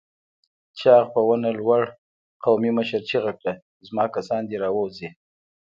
چاغ په ونه لوړ قومي مشر چيغه کړه! زما کسان دې راووځي!